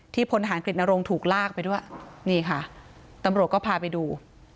พลทหารกฤตนรงค์ถูกลากไปด้วยนี่ค่ะตำรวจก็พาไปดู